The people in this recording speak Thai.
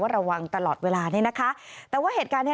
กินกากกินกืนเลย